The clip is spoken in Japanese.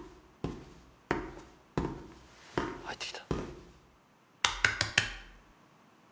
入ってきた。